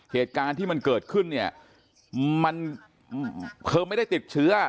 เหตุการณ์ที่มันเกิดขึ้นเนี่ยมันเธอไม่ได้ติดเชื้อ